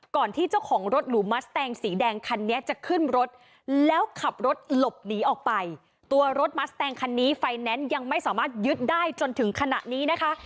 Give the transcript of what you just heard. ที่เจ้าของรถหลูมัสแตงสีแดงคันนี้จะขึ้นรถแล้วขับรถหลบหนีออกไปตัวรถมัสแตงคันนี้ไฟแนนซ์ยังไม่สามารถยึดได้จนถึงขณะนี้นะคะ